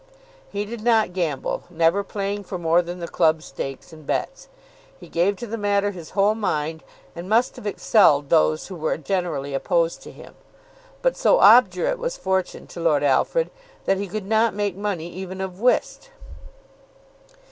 He did not gamble, never playing for more than the club stakes and bets. He gave to the matter his whole mind, and must have excelled those who were generally opposed to him. But so obdurate was fortune to Lord Alfred that he could not make money even of whist.